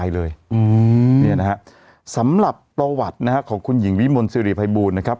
ดนะสำหรับประวัตินะครับของคุณหญิงวิมนศ์ซีรีย์ไพรบูลครับ